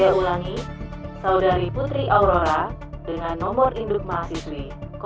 saya ulangi saudari putri aurora dengan nomor induk mahasiswi tujuh puluh satu ribu empat puluh enam